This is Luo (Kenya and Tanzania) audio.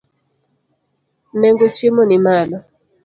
Nengo chiemo nimalo.